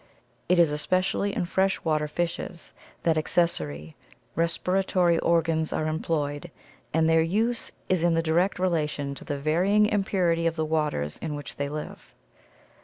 It is especially in fresh water fishes that accessory respiratory organs are employed and their use is in direct relation to the varying impurity of the waters in which they live.